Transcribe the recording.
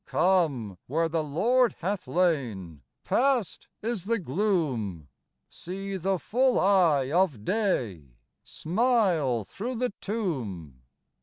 Come where the Lord hath lain : Past is the gloom ; See the full eye of day Smile through the tomb.